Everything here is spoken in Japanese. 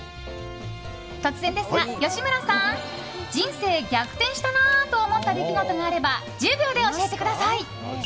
突然ですが、吉村さん。人生逆転したなと思った出来事があれば１０秒で教えてください。